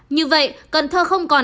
như vậy cần thơ không còn bệnh